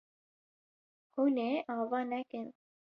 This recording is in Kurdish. Hûn ê ava nekin.